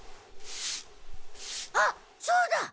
あっそうだ。